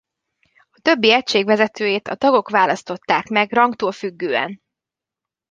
A többi egység vezetőjét a tagok választották meg rangtól függően.